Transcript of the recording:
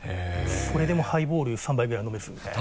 それでハイボール３杯ぐらい飲めそうですね。